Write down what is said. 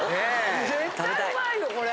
絶対うまいよこれ。